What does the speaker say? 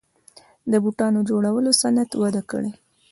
د بوټانو جوړولو صنعت وده کړې